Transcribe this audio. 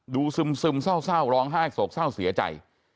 ดูซึมซึมเศร้าเศร้าร้องไห้โศกเศร้าเสียใจ